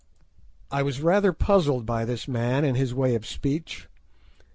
I was rather puzzled by this man and his way of speech.